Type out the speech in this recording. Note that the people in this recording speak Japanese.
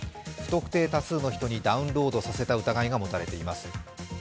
不特定多数の人にダウンロードさせた疑いが持たれています。